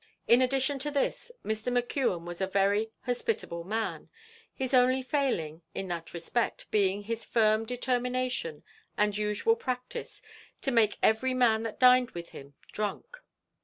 In addition to this, Mr. McKeon was a very hospitable man, his only failing in that respect being his firm determination and usual practice to make every man that dined with him drunk.